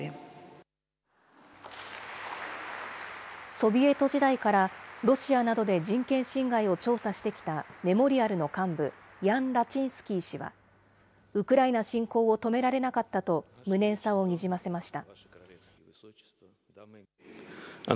ソビエト時代から、ロシアなどで人権侵害を調査してきたメモリアルの幹部、ヤン・ラチンスキー氏は、ウクライナ侵攻を止められなかったと無念さをにじませました。